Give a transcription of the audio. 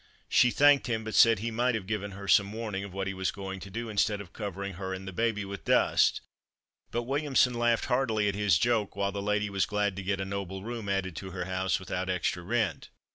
She thanked him, but said he might have given her some warning of what he was going to do, instead of covering her and the baby with dust, but Williamson laughed heartily at his joke, while the lady was glad to get a noble room added to her house without extra rent.